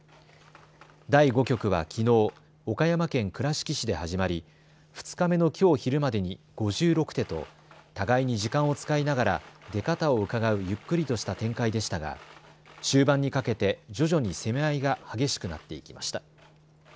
第５局はきのう岡山県倉敷市で始まり２日目のきょう昼までに５６手と互いに時間を使いながら出方をうかがうゆっくりとした展開でしたが終盤にかけて徐々に攻め合いが激しくなっていきました。